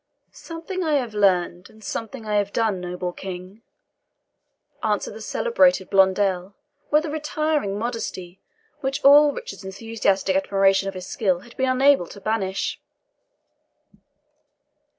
"Something I have learned, and something I have done, noble King," answered the celebrated Blondel, with a retiring modesty which all Richard's enthusiastic admiration of his skill had been unable to banish.